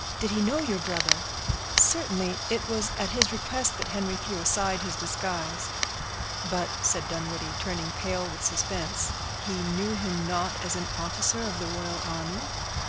"Did he know your brother?" "Certainly; it was at his request that Henry threw aside his disguise." "But," said Dunwoodie, turning pale with suspense, "he knew him not as an officer of the royal army?"